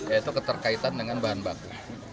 yaitu keterkaitan dengan bahan baku